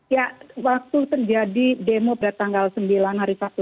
ya waktu terjadi demo pada tanggal sembilan hari sabtu